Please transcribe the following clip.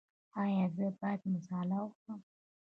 ایا زه باید مساله وخورم؟